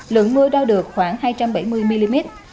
lượng mưa đo được khoảng hai trăm bảy mươi mm